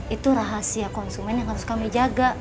itu rahasia konsumen yang harus kami jaga